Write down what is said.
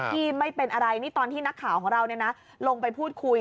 ที่ไม่เป็นอะไรนี่ตอนที่นักข่าวของเราลงไปพูดคุย